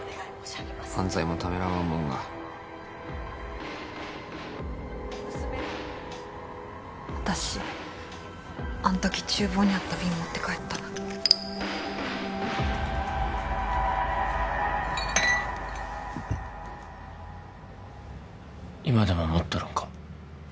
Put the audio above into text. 犯罪もためらわんもんが娘も私あん時厨房にあった瓶持って帰った今でも持っとるんか？